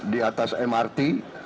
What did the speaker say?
di atas mrt